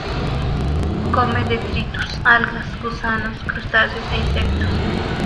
Come detritus, algas, gusanos, crustáceos e insectos.